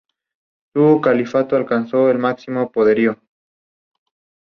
Suena tan ridículo.